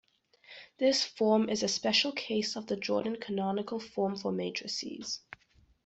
This form is a special case of the Jordan canonical form for matrices.